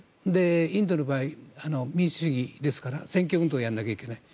インドの場合、民主主義ですから選挙運動をやらなきゃいけない。